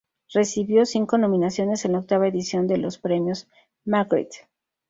Recibió cinco nominaciones en la octava edición de los Premios Magritte.